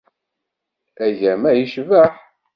Agama yecbeḥ.